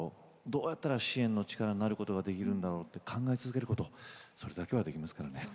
どうやったら支援の力になることができるんだろうと考え続けることそれはできますね。